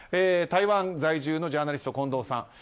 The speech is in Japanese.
台湾在住のジャーナリスト近藤さん。